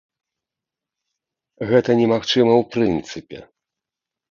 Гэта немагчыма ў прынцыпе.